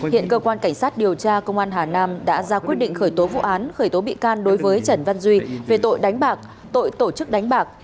hiện cơ quan cảnh sát điều tra công an hà nam đã ra quyết định khởi tố vụ án khởi tố bị can đối với trần văn duy về tội đánh bạc tội tổ chức đánh bạc